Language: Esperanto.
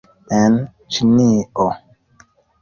En Ĉinio